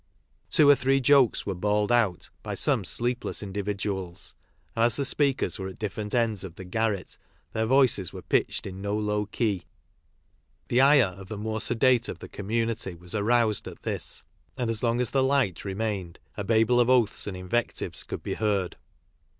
Two or three jokes were bawled out by some sleepless in dividuals, and as the speakers were at different ends of the garret their voices were pitched in no low Key. Ihe ire of the more sedate of the community was aroused at this, and as long as the light re mained a Babel of oaths and invectives could be heard.